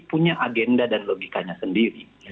punya agenda dan logikanya sendiri